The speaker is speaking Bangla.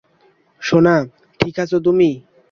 সোনা, ঠিক আছো তুমি?